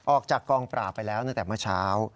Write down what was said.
ออกจากกองปราบไปแล้วตั้งแต่เมื่อเช้า